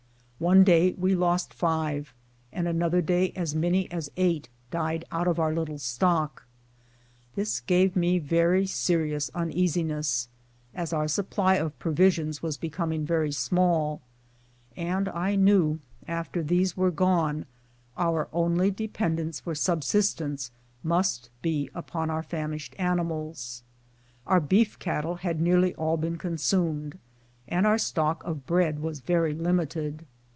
One day we lost five, and another day as many as eight died out of our little stock. This gave me very serious uneasiness, as our supply of provisions was becoming very §mall, and I knew, after these were gone, our only dependence for subsistence must be upon our famished animals^ Our beef cattle had nearly all been consumed, and our stock of bread was very limited.